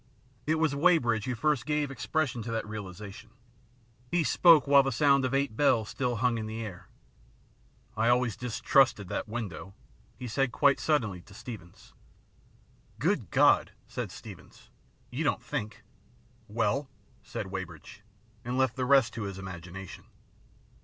It was Wey bridge who first gave expression to that realisation. He spoke while the sound of eight bells still hung in the air. " I always distrusted that window," he said quite suddenly to Steevens. " Good God !" said Steevens ;" you don't think ?"" Well !" said Weybridge, and left the rest to his imagination.